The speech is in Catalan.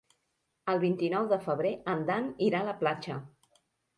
El vint-i-nou de febrer en Dan irà a la platja.